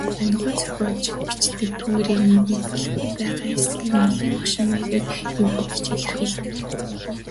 Онигоо зохиож бичдэг, түүгээрээ нийгмийн болохгүй байгаа хэсгийг нэлээн хошин маягаар егөөдөж илэрхийлдэг.